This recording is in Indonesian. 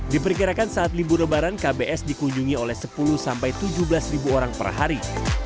diperkirakan saat libur lebaran kbs dikunjungi oleh sepuluh sampai tujuh belas ribu orang per hari